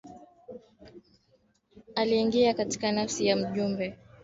Aliingia katika nafasi ya Mjumbe wa Baraza la Wawakilishi wa Zanzibar